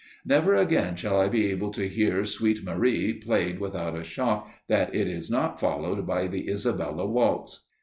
Never again shall I be able to hear "Sweet Marie" played without a shock that it is not followed by the "Isabella Waltz!"